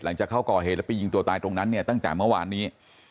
หลังจากเขาก่อเหตุแล้วไปยิงตัวตายตรงนั้นเนี่ยตั้งแต่เมื่อวานนี้